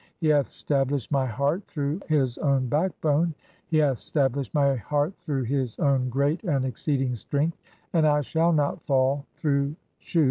He hath stablished my heart through his own backbone, "he hath stablished my heart through his own (28) great and "exceeding strength, and I shall not fall through Shu.